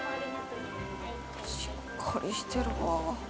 しっかりしてるわ。